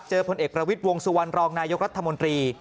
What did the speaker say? พลเอกประวิทย์วงสุวรรณรองนายกรัฐมนตรี